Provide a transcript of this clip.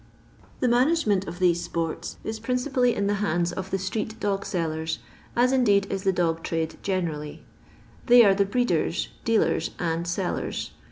The management of these sports is principally in the hands of the street dog sellers, as indeed is the dog trade generally. They are the breeders, dealers, and sellers.